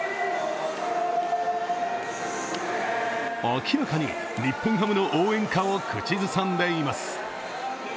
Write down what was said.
明らかに日本ハムの応援歌を口ずさんでいます。